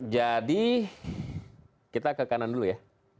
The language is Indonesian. jadi kita ke kanan dulu ya